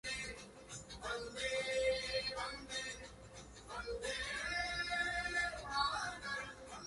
The Sautantrikas were sometimes also called "disciples of Kumaralata".